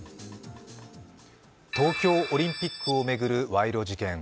東京オリンピックを巡る賄賂事件。